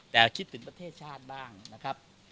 แต่คิดถึงประเทศชาติบ้างนะครับ